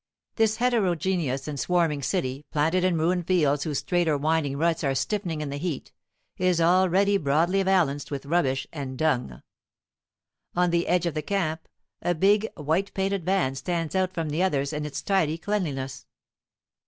This heterogeneous and swarming city, planted in ruined fields whose straight or winding ruts are stiffening in the heat, is already broadly valanced with rubbish and dung. On the edge of the camp a big, white painted van stands out from the others in its tidy cleanliness.